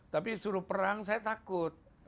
tapi suruh perang saya takut